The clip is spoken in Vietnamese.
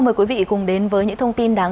mới đây trong chương trình việt nam hội nhập